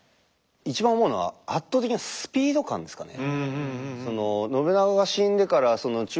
一番思うのは圧倒的なスピード感ですかね。